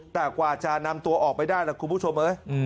แต่กว่าจะนำตัวออกไปได้ล่ะคุณผู้ชม